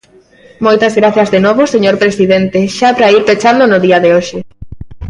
Moitas grazas de novo, señor presidente, xa para ir pechando no día de hoxe.